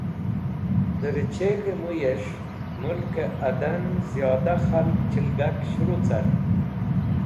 Dẽ rẽcheg̃hẽ mũyẽs̃h mulkẽ adan ziyoda khalg chẽlgak s̃heru cart.